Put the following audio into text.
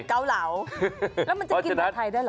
เกาเหลาแล้วมันจะกินผัดไทยได้เหรอ